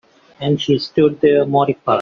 And she stood there mortified.